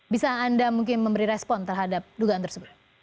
bisa anda mungkin memberi respon terhadap dugaan tersebut